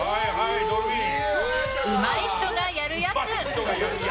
うまい人がやるやつ。